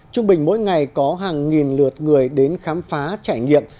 trung bình mỗi ngày có hàng nghìn lượt người đến khám phá trải nghiệm